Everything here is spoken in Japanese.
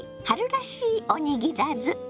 春らしいおにぎらず。